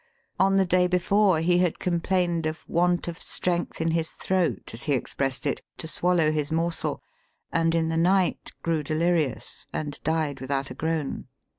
On the day before, he had complained of want of strength in his throat, as he expressed it, to swallow his morsel, and in the night grew delirious and died without a groan."